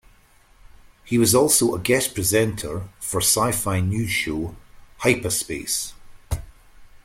He was also a guest presenter for sci-fi news show "HypaSpace".